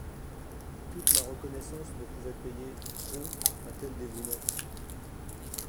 Toute ma reconnaissance ne pouvait payer trop un tel dévouement.